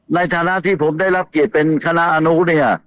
ในฐานะที่ผมได้รับเกียรติเป็นคณะอนุเนี่ย